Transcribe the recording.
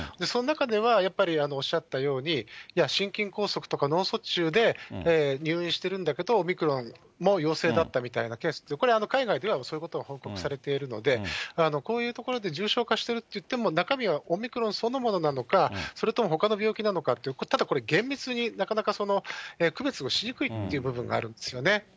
その中では、やっぱりおっしゃったように、心筋梗塞とか脳卒中で入院してるんだけど、オミクロンも陽性だったみたいなケースって、これ、海外ではそういうことが報告されているので、こういうところで重症化してるといっても、中身は、オミクロンそのものなのか、それともほかの病気なのかという、これ厳密になかなか区別をしにくいという部分があるんですよね。